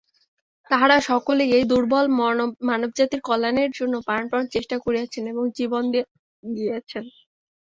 তাঁহারা সকলেই এই দুর্বল মানবজাতির কল্যাণের জন্য প্রাণপণ চেষ্টা করিয়াছেন এবং জীবন দিয়া গিয়াছেন।